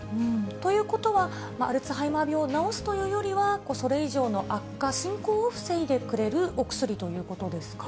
ということは、アルツハイマー病を治すというよりは、それ以上の悪化、進行を防いでくれるお薬ということですか。